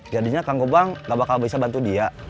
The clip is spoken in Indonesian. jadinya kak gobang gak bakal bisa bantu dia